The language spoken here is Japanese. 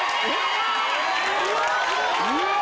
うわ！